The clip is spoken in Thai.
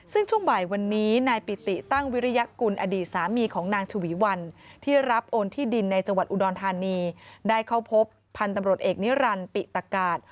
ซึ่งช่วงบ่ายวันนี้นายปิติตั้งวิริยกุลอดีตสามีของนางฉวีวันที่รับโอนที่ดินในจังหวัดอุดรธานีได้เข้าพบพันธุ์ตำรวจเอกนิรันดิปิตกาศ